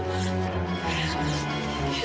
menyenyapkan anak anak saya